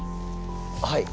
はい。